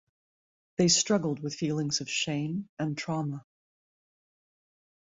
They struggled with feelings of shame and trauma.